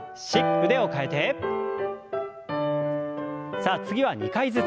さあ次は２回ずつ。